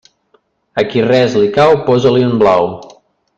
A qui res li cau, posa-li un blau.